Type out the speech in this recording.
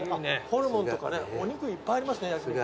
ホルモンとかねお肉いっぱいありますね焼き肉。